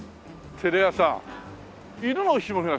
テレ朝に。